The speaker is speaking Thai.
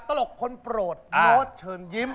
ตลกคนโปรดโน้ตเชิญยิ้ม